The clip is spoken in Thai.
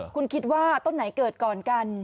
คุณคิดว่าต้นไหนเกิดก่อนกัน